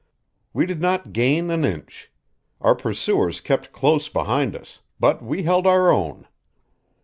We did not gain an inch; our pursuers kept close behind us; but we held our own.